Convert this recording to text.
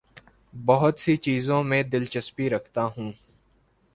بہت سی چیزوں میں دلچسپی رکھتا ہوں